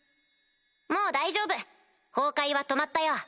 もう大丈夫崩壊は止まったよ。